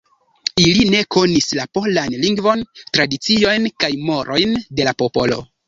Ili ne konis la polan lingvon, tradiciojn kaj morojn de la popolo.